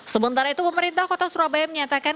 sementara itu pemerintah kota surabaya menyatakan